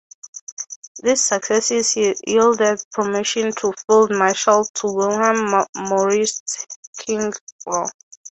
These successes yielded promotion to Field Marshal to Wilhelm Mauritz Klingspor.